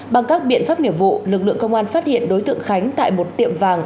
bằng các biện pháp nghiệp vụ lực lượng công an phát hiện đối tượng khánh tại một tiệm vàng